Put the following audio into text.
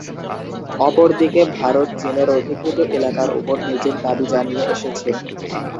অপর দিকে ভারত চীনের অধিকৃত এলাকার ওপর নিজের দাবী জানিয়ে এসেছে।